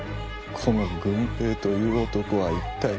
この「郡平」という男は一体。